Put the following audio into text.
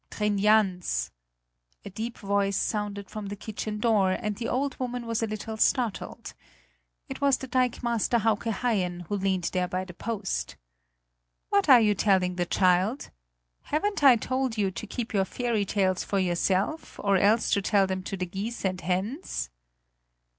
"Trin Jans!" a deep voice sounded from the kitchen door, and the old woman was a little startled. It was the dikemaster Hauke Haien, who leaned there by the post; "what are you telling the child? Haven't I told you to keep your fairy tales for yourself or else to tell them to the geese and hens?"